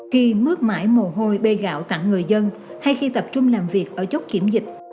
khi bước mãi mồ hôi bê gạo tặng người dân hay khi tập trung làm việc ở chốt kiểm dịch